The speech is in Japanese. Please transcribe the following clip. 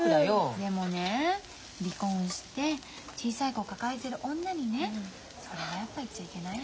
でもね離婚して小さい子抱えてる女にねそれはやっぱり言っちゃいけないよ。